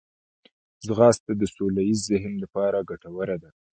ځغاسته د سوله ییز ذهن لپاره ګټوره ده